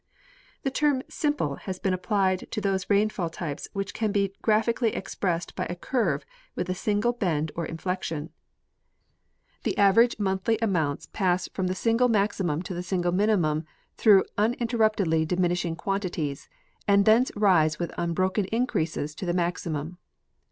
The term mniple has been applied to those rainftill types Avhich can be graphically expressed by a curve Avith a single bend or inflection. The average monthly amounts pass from the single 48 Gen. A. W.Grcely — Rainfall Types of the United States. inaxiinnin to the single minimum through uninterruptedly diminishing quantities, and thence rise with unbroken increases to the maximum.